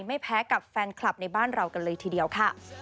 ไม่แพ้กับแฟนคลับในบ้านเรากันเลยทีเดียวค่ะ